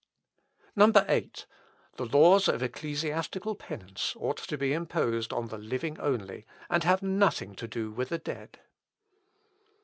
8. "The laws of ecclesiastical penance ought to be imposed on the living only, and have nothing to do with the dead.